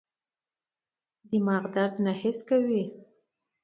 دماغ درد نه حس کوي.